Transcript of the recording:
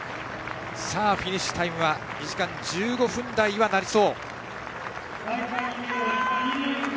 フィニッシュタイムは２時間１５分台にはなりそう。